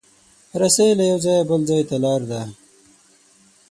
رسۍ له یو ځایه بل ځای ته لاره ده.